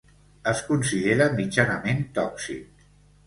Es considera mitjanament tòxic.